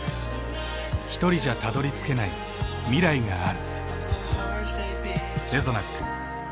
ひとりじゃたどりつけない未来がある。